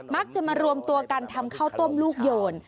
มักจะมารวมตัวกันทำข้าวต้มลูกโยน